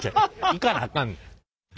行かなあかんねん。